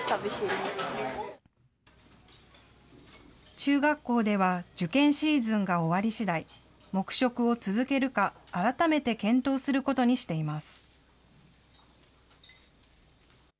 中学校では受験シーズンが終わり次第、黙食を続けるか、改めて検討することにしています。